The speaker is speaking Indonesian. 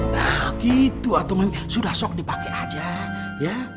nah gitu atau sudah sok dipakai aja ya